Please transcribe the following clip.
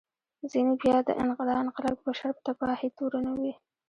ځینې بیا دا انقلاب د بشر په تباهي تورنوي.